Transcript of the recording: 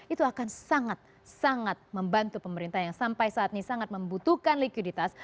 itu akan sangat sangat membantu pemerintah yang sampai saat ini sangat membutuhkan likuiditas